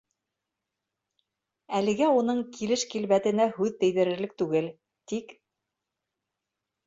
Әлегә уның килеш-килбәтенә һүҙ тейҙерерлек түгел, тик...